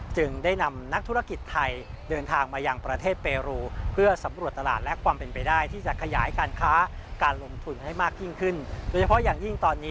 จึงได้นำนักธุรกิจไทยเดินทางมาอย่างประเทศเปลูย์